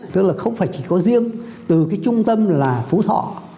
tức là không phải chỉ có riêng từ cái trung tâm là phú thọ